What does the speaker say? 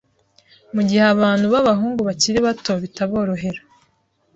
mugihe abana b'abahungu bakiri bato bitaborohera